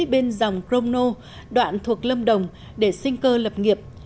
bên dòng cromno đoạn thuộc lâm đồng để sinh cơ lập nghiệp